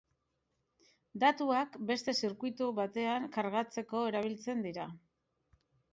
Datuak beste zirkuitu batean kargatzeko erabiltzen dira.